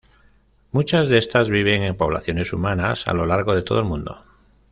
Muchas de estas viven en poblaciones humanas a lo largo de todo el mundo.